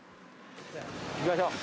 行きましょう。